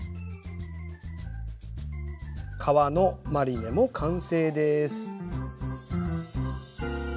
皮のマリネも完成です。